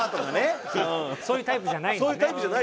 そういうタイプじゃない。